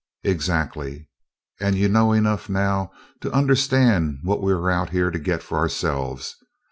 "Exactly, and you know enough now to understand what we are out here to get for ourselves.